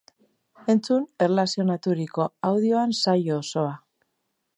Entzun erlazionaturiko audioan saio osoa!